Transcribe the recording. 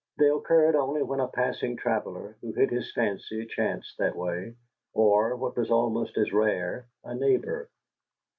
They occurred only when a passing traveller who hit his fancy chanced that way, or, what was almost as rare, a neighbor.